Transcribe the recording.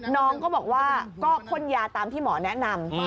น้องก็บอกว่าก็พ่นยาตามที่หมอแนะนำ